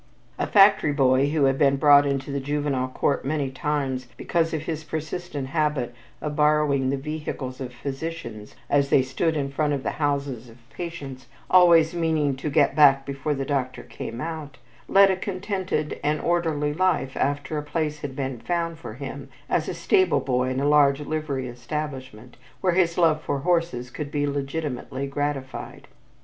A factory boy who had been brought into the Juvenile Court many times because of his persistent habit of borrowing the vehicles of physicians as they stood in front of houses of patients, always meaning to "get back before the doctor came out," led a contented and orderly life after a place had been found for him as a stable boy in a large livery establishment where his love for horses could be legitimately gratified.